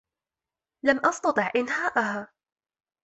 لم أستطع إنهائها.